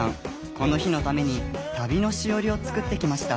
この日のために旅のしおりを作ってきました。